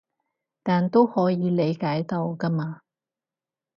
但都可以理解到㗎嘛